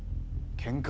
けんか？